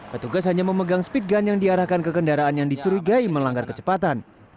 petugas hanya memegang speed gun yang diarahkan ke kendaraan yang dicurigai melanggar kecepatan